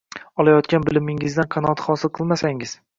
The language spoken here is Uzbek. Olayotgan bilimingizdan qanoat hosil qilmasangiz